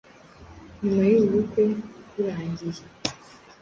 nyuma y’ubu bukwe. burangiye